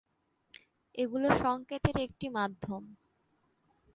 এগুলো সংকেতের একটি মাধ্যম।